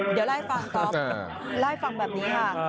เดี๋ยวลายฟังต้องลายฟังแบบนี้ค่ะ